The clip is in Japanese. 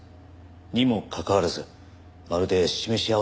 にもかかわらずまるで示し合わせたように。